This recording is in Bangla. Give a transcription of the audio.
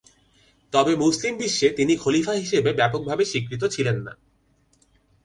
তবে মুসলিম বিশ্বে তিনি খলিফা হিসেবে ব্যাপকভাবে স্বীকৃত ছিলেন না।